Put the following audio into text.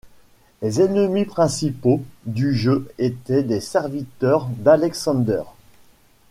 Les ennemis principaux du jeu étaient des serviteurs d'Alexander.